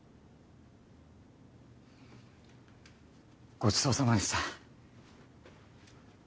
ごちそうさまでした。